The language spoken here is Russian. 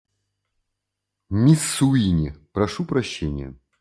Мисс Суини, прошу прощения.